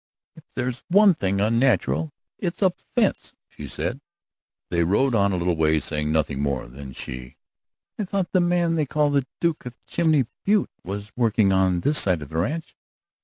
"If there's one thing unnatural, it's a fence," she said. They rode on a little way, saying nothing more. Then she: "I thought the man they call the Duke of Chimney Butte was working on this side of the ranch?"